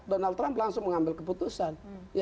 donald trump langsung mengambil keputusan